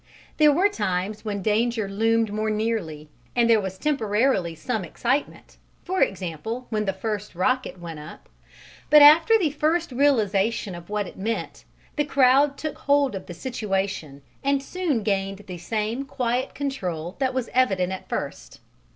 There were times when danger loomed more nearly and there was temporarily some excitement, for example when the first rocket went up, but after the first realization of what it meant, the crowd took hold of the situation and soon gained the same quiet control that was evident at first.